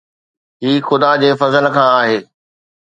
هي خدا جي فضل کان آهي.